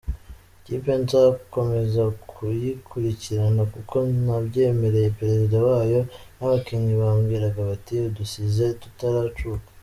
Ikipe nzakomeza kuyikurikirana kuko nabyemereye perezida wayo n’abakinnyi bambwiraga bati udusize tutaracuka.